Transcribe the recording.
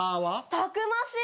たくましい！